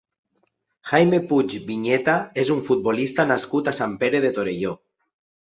Jaime Puig Viñeta és un futbolista nascut a Sant Pere de Torelló.